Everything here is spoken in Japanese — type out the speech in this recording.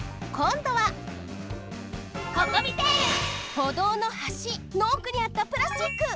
ほどうのはしのおくにあったプラスチック！